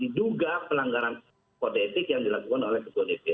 diduga pelanggaran politik yang dilakukan oleh bk